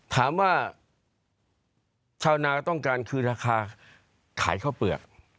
ถามว่าชาวนาต้องการคือราคาขายข้าวเปลือก